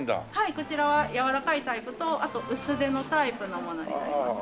こちらは柔らかいタイプとあと薄手のタイプのものになりますね。